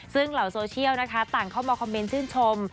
ซึ่งเหล่าโซเชียลนะคะต่างเข้ามาคอมเมนต์ชื่นชม